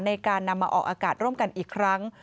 ในการนำมาออกอากาศร่วมกันอีกครั้ง